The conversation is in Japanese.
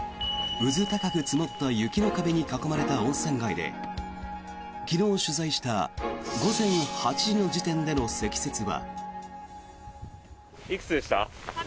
うずたかく積もった雪の壁に囲まれた温泉街で昨日取材した午前８時の時点での積雪は。